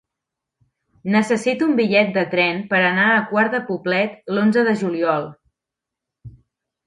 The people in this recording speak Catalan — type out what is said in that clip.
Necessito un bitllet de tren per anar a Quart de Poblet l'onze de juliol.